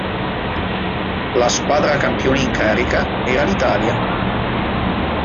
La squadra campione in carica era l'Italia.